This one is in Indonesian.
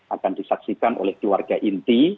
akan disaksikan oleh keluarga inti